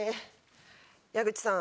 矢口さん。